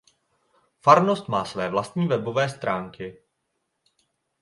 Farnost má své vlastní webové stránky.